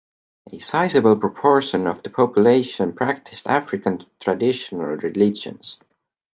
A sizable proportion of the population practiced African traditional religions.